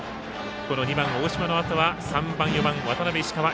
この２番大島のあとは３番、４番、眞邉、石川。